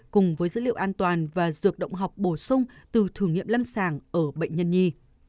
cùng với dữ liệu an toàn và dược động học bổ sung từ thử nghiệm lâm sàng ở bệnh nhân nhi